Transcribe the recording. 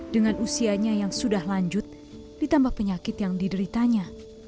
dengan usianya yang sudah lanjut ditambah penyakit yang dideritanya